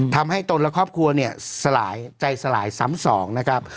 ตนและครอบครัวเนี่ยสลายใจสลายซ้ำสองนะครับ